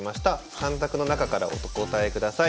３択の中からお答えください。